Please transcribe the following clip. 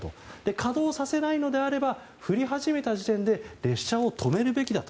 稼働させないのであれば降り始めた時点で列車を止めるべきだと。